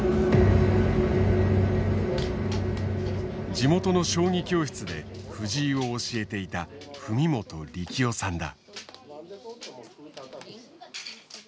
地元の将棋教室で藤井を教えていた文本力雄さんだ。